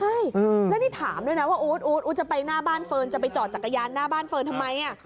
ใช่แล้วนี่ถามด้วยนะว่าอู๊ดอู๊ดอู๊ดจะไปหน้าบ้านเฟิร์นจะไปจอดจักรยานหน้าบ้านเฟิร์นทำไม